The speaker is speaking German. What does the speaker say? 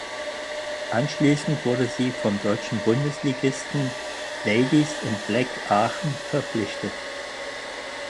Anschließend wurde sie vom deutschen Bundesligisten Ladies in Black Aachen verpflichtet.